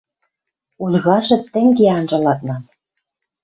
Ольгажы тӹнге анжа ладнан